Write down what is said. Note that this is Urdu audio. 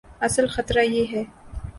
اصل خطرہ یہ ہے۔